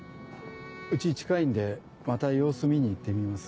うち近いんでまた様子見にいってみます。